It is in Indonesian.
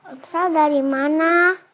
omsal dari mana